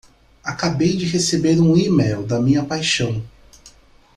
Acabei de receber um e-mail da minha paixão!